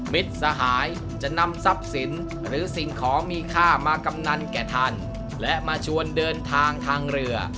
สหายจะนำทรัพย์สินหรือสิ่งของมีค่ามากำนันแก่ท่านและมาชวนเดินทางทางเรือ